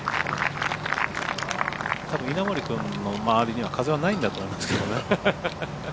たぶん稲森君の周りには風はないんだと思いますけどね。